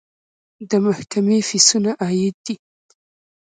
د محکمې فیسونه عاید دی